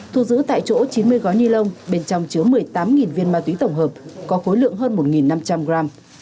thu giữ tại chỗ chín mươi gói ni lông bên trong chứa một mươi tám viên ma túy tổng hợp có khối lượng hơn một năm trăm linh gram